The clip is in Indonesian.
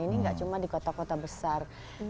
ini nggak cuma di kota kota besar